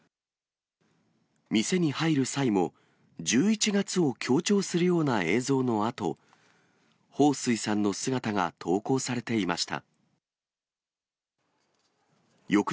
店に入る際も、１１月を強調するような映像のあと、彭帥さんの姿が投稿されていました。